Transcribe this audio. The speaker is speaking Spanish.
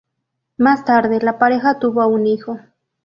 Más tarde, la pareja tuvo a un hijo.